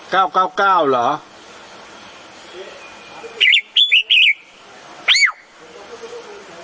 เก้าเก้าเก้าเหรอ